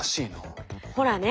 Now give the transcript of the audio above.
ほらね